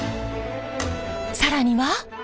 更には。